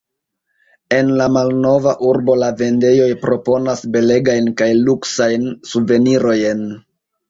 En la malnova urbo la vendejoj proponas belegajn kaj luksajn suvenirojn.